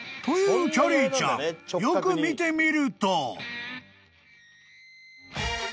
［というきゃりーちゃんよく見てみると］